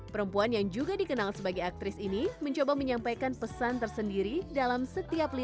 perempuan yang juga dikenal sebagai aktris ini mencoba menyampaikan pesan tersendiri dalam setiap lirik yang ia tulis